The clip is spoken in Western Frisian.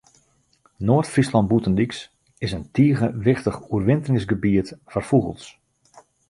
Noard-Fryslân Bûtendyks is in tige wichtich oerwinteringsgebiet foar fûgels.